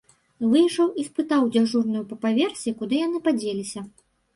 Выйшаў і спытаў дзяжурную па паверсе, куды яны падзеліся.